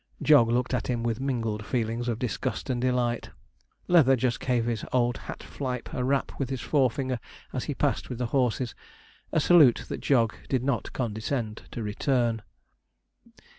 Jog looked at him with mingled feelings of disgust and delight. Leather just gave his old hat flipe a rap with his forefinger as he passed with the horses a salute that Jog did not condescend to return.